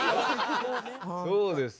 どうです？